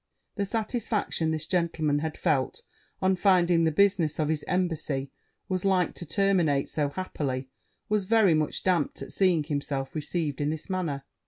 The satisfaction this gentleman had felt on finding the business of his embassy was like to terminate so happily, was very much damped at seeing himself received in this manner.